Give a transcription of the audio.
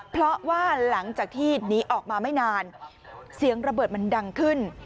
เพราะว่าหลังจากที่หนีออกมาไม่นานเสียงระเบิดมันดังขึ้น